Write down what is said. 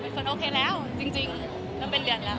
คนโอเคแล้วจริงมันเป็นเดือนแล้ว